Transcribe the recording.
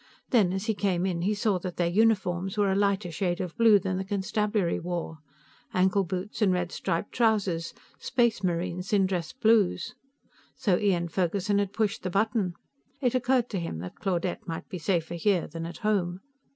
Then, as he came in, he saw that their uniforms were a lighter shade of blue than the constabulary wore. Ankle boots and red striped trousers; Space Marines in dress blues. So Ian Ferguson had pushed the button. It occurred to him that Claudette might be safer here than at home.